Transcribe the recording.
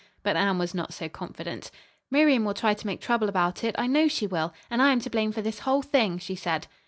But Anne was not so confident. "Miriam will try to make trouble about it, I know she will. And I am to blame for the whole thing," she said.